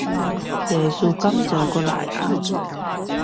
藝術講座又來了